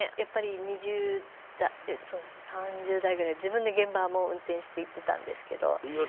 ２０３０代ぐらい自分で現場も運転して行ってたんですけど。